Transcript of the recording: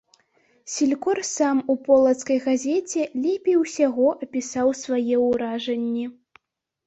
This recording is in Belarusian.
Селькор сам у полацкай газеце лепей усяго апісаў свае ўражанні.